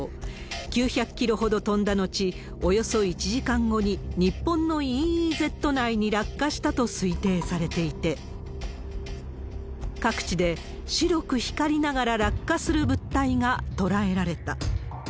９００キロほど飛んだ後、およそ１時間後に日本のＥＥＺ内に落下したと推定されていて、各地で、白く光りながら落下する物体が捉えられた。